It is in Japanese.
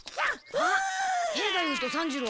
あっ兵太夫と三治郎。